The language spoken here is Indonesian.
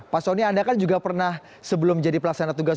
pak soni anda kan juga pernah sebelum jadi pelaksana tugas